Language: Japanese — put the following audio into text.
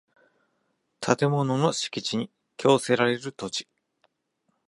建物の敷地に供せられる土地